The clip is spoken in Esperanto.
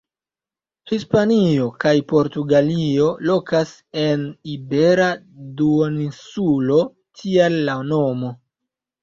Hispanio kaj Portugalio lokas en Ibera Duoninsulo; tial la nomo.